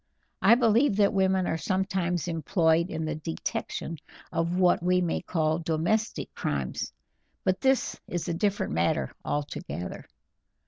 I believe that women are sometimes employed in the detection of what we may call domestic crimes, but this is a different matter altogether."